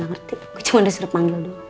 ngerti gue cuma disuruh panggil dulu